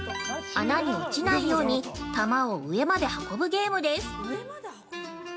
穴に落ちないように玉を上まで運ぶゲームです。